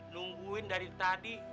nungguin dari tadi